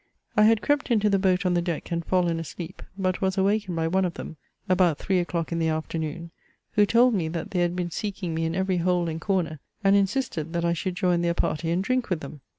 I had crept into the boat on the deck and fallen asleep; but was awakened by one of them, about three o'clock in the afternoon, who told me that they had been seeking me in every hole and corner, and insisted that I should join their party and drink with them.